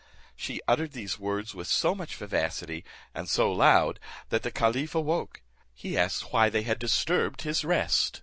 She uttered these words with so much vivacity, and so loud, that the caliph awoke. He asked why they had disturbed his rest?